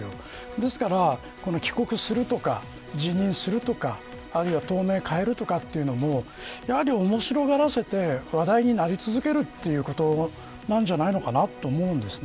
ですから帰国するとか辞任するとかあるいは党名を変えるというのはおもしろがらせて話題になり続けるということなんじゃないかなと思うんです。